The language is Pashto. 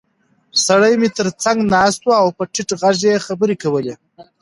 سړی مې تر څنګ ناست و او په ټیټ غږ یې خبرې کولې.